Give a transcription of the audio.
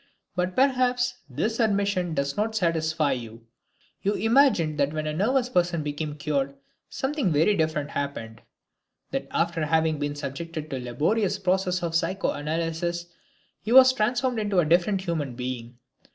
But perhaps this admission does not satisfy you. You imagined that when a nervous person became cured something very different happened, that after having been subjected to the laborious process of psychoanalysis, he was transformed into a different human being.